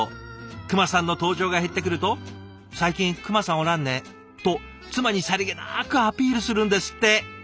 「クマさん」の登場が減ってくると「最近クマさんおらんね」と妻にさりげなくアピールするんですって。